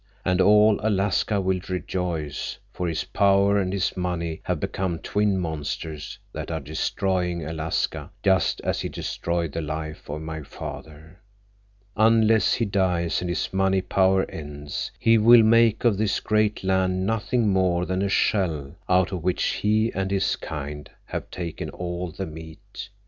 And all Alaska will rejoice, for his power and his money have become twin monsters that are destroying Alaska just as he destroyed the life of my father. Unless he dies, and his money power ends, he will make of this great land nothing more than a shell out of which he and his kind have taken all the meat.